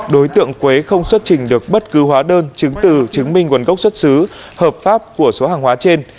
đối tượng quế không xuất trình được bất cứ hóa đơn chứng từ chứng minh nguồn gốc xuất xứ hợp pháp của số hàng hóa trên